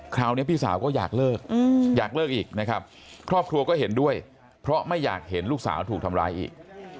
คราวนี้พี่สาวก็อยากเลิกอยากเลิกอีกนะครับครอบครัวก็เห็นด้วยเพราะไม่อยากเห็นลูกสาวถูกทำร้ายอีก